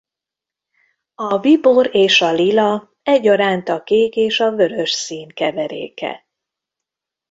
A bíbor és a lila egyaránt a kék és a vörös szín keveréke.